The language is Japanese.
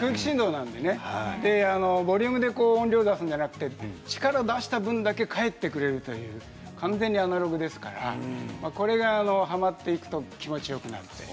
ボリュームで音を出すのではなくて力を出した分だけ返ってくるという完全にアナログですからこれがはまっていくと気持ちよくなります。。